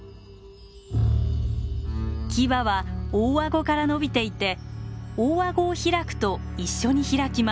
キバは大顎からのびていて大顎を開くと一緒に開きます。